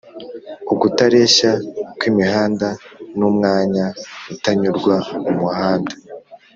ukutareshya kw' imihanda n' umwanya utanyurwa mumuhanda